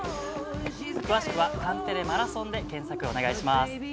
詳しくは「カンテレマラソン」で検索、お願いします。